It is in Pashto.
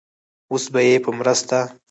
اوس به يې په مرسته